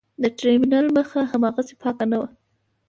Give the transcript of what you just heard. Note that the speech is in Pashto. د ټرمینل مخه هاغسې پاکه نه وه.